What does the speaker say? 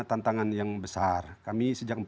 tantangan yang besar kami sejak